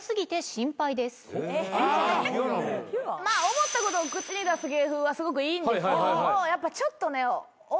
思ったことを口に出す芸風はすごくいいんですけどもやっぱちょっとね男芸人にね狙われ始めて。